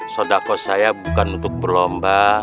sodako saya bukan untuk berlomba